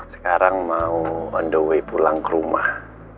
sekarang mau on the way pulang ke rumah